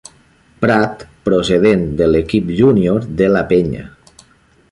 Prat procedent de l'equip júnior de la Penya.